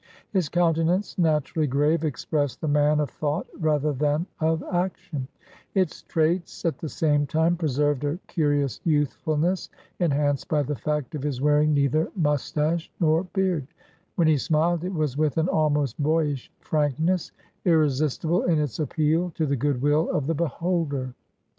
His countenance, naturally grave, expressed the man of thought rather than of action; its traits, at the same time, preserved a curious youthfulness, enhanced by the fact of his wearing neither moustache nor beard; when he smiled, it was with an almost boyish frankness, irresistible in its appeal to the good will of the beholder.